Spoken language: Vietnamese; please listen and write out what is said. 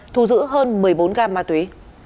thu giữ hơn một mươi bốn gam ma túy